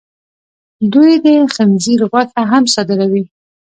دوی د خنزیر غوښه هم صادروي.